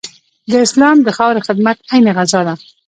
د اسلام د خاورې خدمت عین غزا ده.